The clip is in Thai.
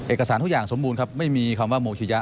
เอกสารทุกอย่างสมบูรณ์ครับไม่มีคำว่าโมชิยะ